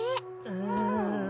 うん。